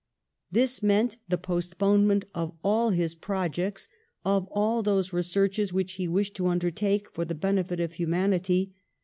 This meant the postponement of all his projects, of all those re searches which he wished to undertake for the benefit of humanity.